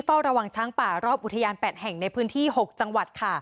เฝ้าระวังช้างป่ารอบอุทยาน๘แห่งในพื้นที่๖จังหวัดค่ะ